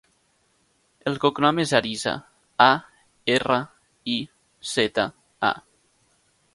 El cognom és Ariza: a, erra, i, zeta, a.